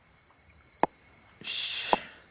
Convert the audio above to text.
よし。